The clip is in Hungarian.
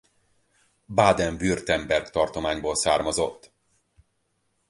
Baden-Württemberg tartományból származott.